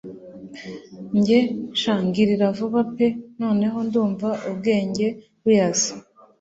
Njye sha ngirira vuba pe noneho ndumva ubwenge buyaze